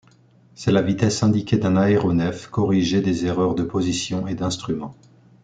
C'est la vitesse indiquée d'un aéronef, corrigée des erreurs de position et d'instrument.